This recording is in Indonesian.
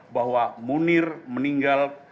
bahwa munir meninggal